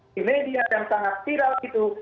di media yang sangat viral itu